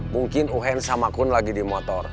mungkin uhen sama kun lagi di motor